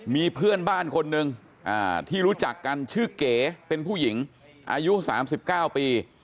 มีเพื่อนบ้านคนหนึ่งที่รู้จักกันชื่อเก๋เป็นผู้หญิงอายุ๓๙ปี